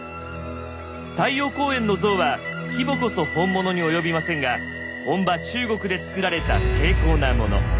太陽公園の像は規模こそ本物に及びませんが本場中国でつくられた精巧なもの。